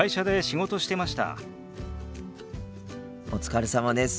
お疲れさまです。